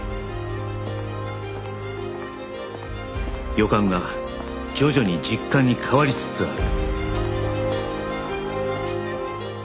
予感が徐々に実感に変わりつつある